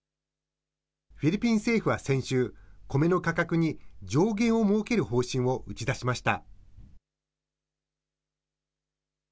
フィリピン政府は先週、コメの価格に上限を設ける方針を打ち出しました。